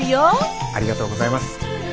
ありがとうございます。